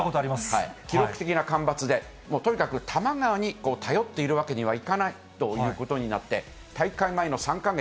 記録的な干ばつで、もうとにかく多摩川に頼っているわけにはいかないということになって、大会前の３か月、